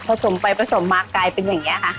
สมไปผสมมากลายเป็นอย่างนี้ค่ะ